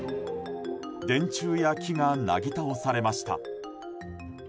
電柱や木がなぎ倒されました。